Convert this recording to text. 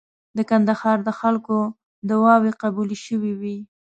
د کندهار د خلکو دعاوي قبولې شوې وې.